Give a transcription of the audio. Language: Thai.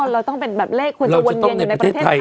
เราต้องเป็นแบบเลขควรจะวนเวียนอยู่ในประเทศไทย